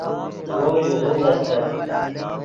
وو لیغوز استت